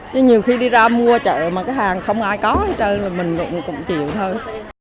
chứ nhiều khi đi ra mua chợ mà cái hàng không ai có hết trơn là mình lụt cũng chịu thôi